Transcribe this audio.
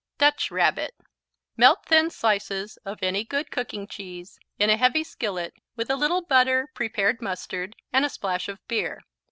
Dutch Rabbit Melt thin slices of any good cooking cheese in a heavy skillet with a little butter, prepared mustard, and a splash of beer.